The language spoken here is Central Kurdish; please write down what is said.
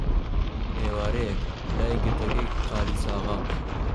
ئێوارەیەک، لای گردەکەی قالیچاغا،